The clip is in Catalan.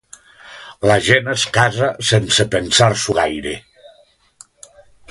La gent es casa sense pensar-s'ho gaire.